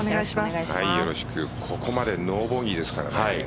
ここまでノーボギーですからね。